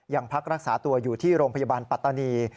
ยังพักรักษาตัวอยู่ที่โรงพยาบาลปัตตานี